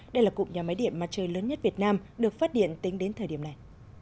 đây là cụm nhà máy điện mặt trời lớn nhất việt nam được phát điện tính đến thời điểm này